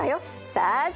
さあさあ